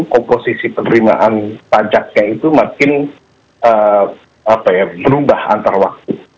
komposisi penerimaan pajaknya itu makin berubah antar waktu